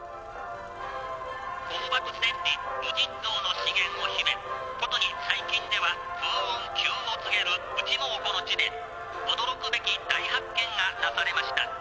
広漠千里無尽蔵の資源を秘めことに最近では風雲急を告げる内蒙古の地で驚くべき大発見がなされました。